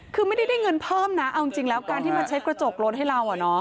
คือไม่ได้ได้เงินเพิ่มนะเอาจริงแล้วการที่มาเช็ดกระจกรถให้เรา